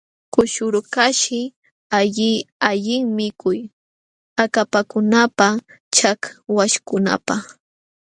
Kushurukaqshi alli allin mikuy akapakunapaq chakwaśhkunapaq.